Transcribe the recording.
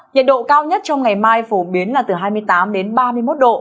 nhiệt độ cao nhất trong ngày mai phổ biến là từ hai mươi tám đến ba mươi một độ